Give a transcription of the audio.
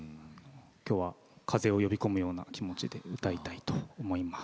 きょうは風を呼び込むような気持ちで歌いたいと思います。